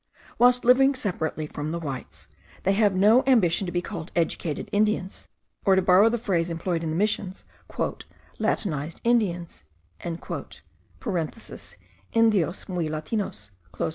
Whilst living separate from the whites, they have no ambition to be called educated Indians, or, to borrow the phrase employed in the Missions, 'latinized Indians' (Indios muy latinos).